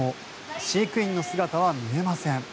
飼育員の姿は見えません。